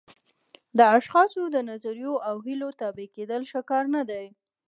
د اشخاصو د نظریو او هیلو تابع کېدل ښه کار نه دی.